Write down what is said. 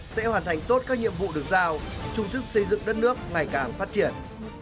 sẽ hoàn thành tốt các nhiệm vụ được giao chung chức xây dựng đất nước ngày càng phát triển